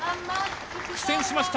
苦戦しました。